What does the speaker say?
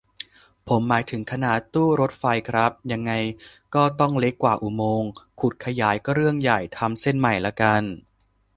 ผมหมายถึงขนาดตู้รถไฟครับ ยังไงก็ต้องเล็กกว่าอุโมงค์ ขุดขยายก็เรื่องใหญ่ ทำเส้นใหม่ละกัน